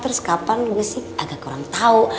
terus kapan gue sih agak kurang tahu